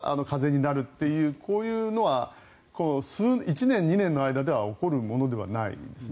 ちょっとした風邪になるというこういうのは１年、２年の間では起こるものではないですね。